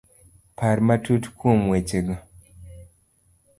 Par matut kuom wechego.